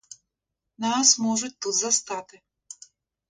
Нас можуть тут застати.